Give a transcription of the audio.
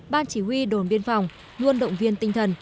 ban chỉ huy đồn biên phòng luôn động viên tinh thần